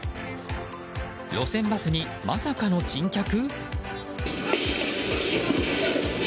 路線バスに、まさかの珍客？